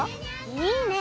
いいね！